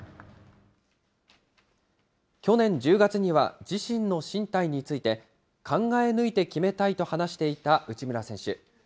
去年１０月には、自身の進退について、考え抜いて決めたいと話していた内村選手。